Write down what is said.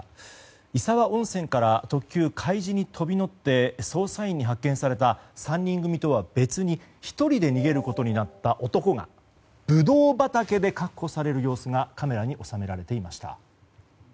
石和温泉から特急「かいじ」に飛び乗って捜査員に発見された３人組とは別に１人で逃げることになった男がブドウ畑で確保される様子がカメラに収められていました。